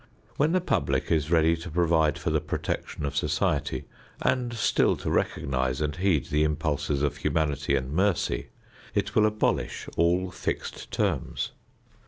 When the public is ready to provide for the protection of society and still to recognize and heed the impulses of humanity and mercy, it will abolish all fixed terms.